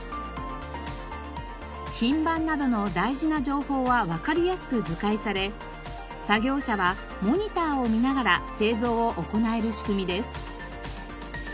品番などの大事な情報はわかりやすく図解され作業者はモニターを見ながら製造を行える仕組みです。